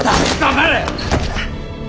黙れ。